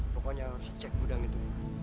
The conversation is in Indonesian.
pokoknya harus cek gudang itu